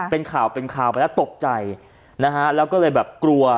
เป็นข่าวเป็นข่าวไปแล้วตกใจนะฮะแล้วก็เลยแบบกลัว